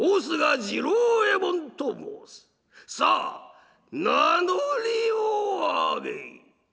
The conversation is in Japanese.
さあ名乗りを上げい」。